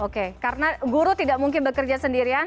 karena guru tidak mungkin bekerja sendirian